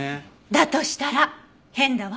だとしたら変だわ。